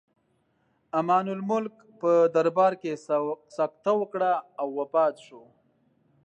امان الملک په دربار کې سکته وکړه او وفات شو.